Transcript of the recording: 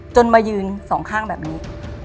มายืนสองข้างแบบนี้